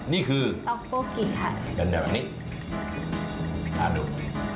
นี่คือต๊อกโบรกิค่ะงั้นแบบนี้ทานดู